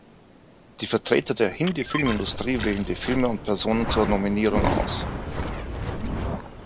Die Vertreter der Hindi-Filmindustrie wählen die Filme und Personen zur Nominierung aus.